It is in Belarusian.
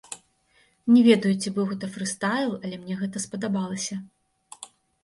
Не ведаю, ці быў гэта фрыстайл, але мне гэта спадабалася.